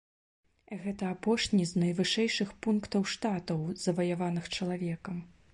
Гэта апошні з найвышэйшых пунктаў штатаў, заваяваных чалавекам.